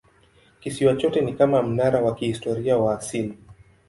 Kisiwa chote ni kama mnara wa kihistoria wa asili.